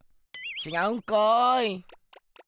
ちがうんかい！